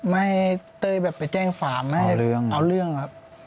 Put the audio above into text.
ไม่เคยแบบไปแจ้งความไม่ให้เอาเรื่องครับ